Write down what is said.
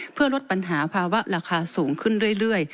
เพื่อลดปัญหาภาวะราคาสูงขึ้นเรื่อย